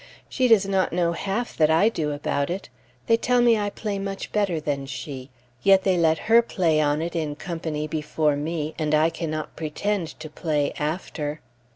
She does not know half that I do about it; they tell me I play much better than she; yet they let her play on it in company before me, and I cannot pretend to play after.